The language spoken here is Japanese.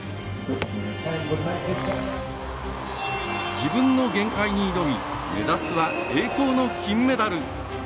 自分の限界に挑み目指すは栄光の金メダル。